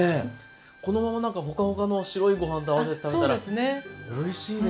このままホカホカの白いご飯と合わせて食べたらおいしいでしょうね。